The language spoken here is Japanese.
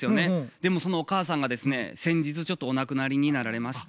でもそのお母さんがですね先日お亡くなりになられまして。